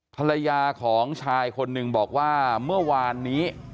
ภรรยาของชายคนหนึ่งบอกว่าเมื่อวานนี้